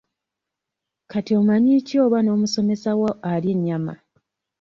Kati omanyi ki oba n'omusomesa wo alya ennyama?